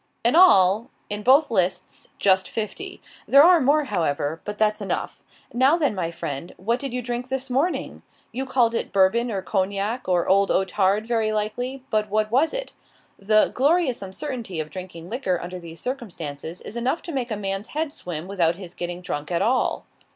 In all, in both lists, just fifty. There are more, however. But that's enough. Now then, my friend, what did you drink this morning? You called it Bourbon, or Cognac, or Old Otard, very likely, but what was it? The "glorious uncertainty" of drinking liquor under these circumstances is enough to make a man's head swim without his getting drunk at all.